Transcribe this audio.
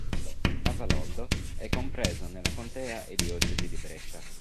Casaloldo è compreso nella contea e diocesi di Brescia.